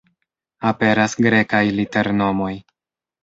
Aperas Grekaj liternomoj.